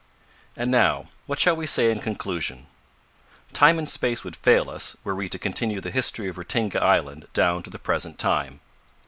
And now, what shall we say in conclusion? Time and space would fail us, were we to continue the history of Ratinga island down to the present time.